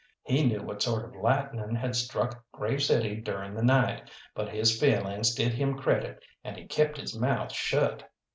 He knew what sort of lightning had struck Grave City during the night, but his feelings did him credit and kept his mouth shut.